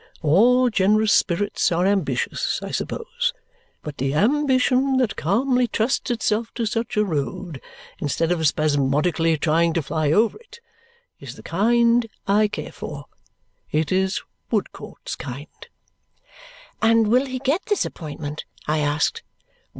All generous spirits are ambitious, I suppose, but the ambition that calmly trusts itself to such a road, instead of spasmodically trying to fly over it, is of the kind I care for. It is Woodcourt's kind." "And will he get this appointment?" I asked.